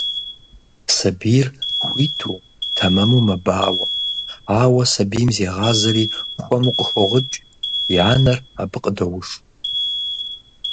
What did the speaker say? Сабийр хуиту, тэмэму мэбауэ, ауэ сабийм зегъазэри хуэму къыхогъыкӀ, и анэр абы къыдоуш.